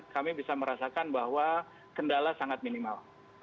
kami bisa merasakan bahwa kendala sangat minimal